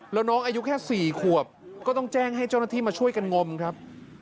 แล้วน้องอายุแค่๔ขวบก็ต้องแจ้งให้เจ้าหน้าที่มาช่วยกันงมครับ